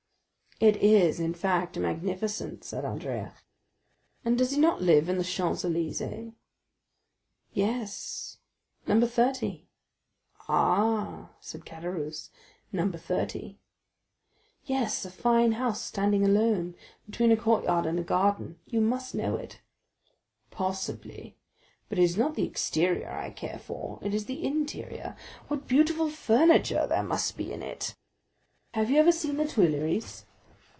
"It is, in fact, magnificent," said Andrea. "And does he not live in the Champs Élysées?" "Yes, No. 30." "Ah," said Caderousse, "No. 30." "Yes, a fine house standing alone, between a courtyard and a garden,—you must know it." "Possibly; but it is not the exterior I care for, it is the interior. What beautiful furniture there must be in it!" "Have you ever seen the Tuileries?"